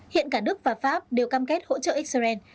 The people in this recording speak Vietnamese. hiện cả đức và pháp đều cam kết hỗ trợ israel